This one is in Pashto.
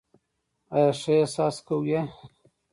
آیا ښه احساس کوې؟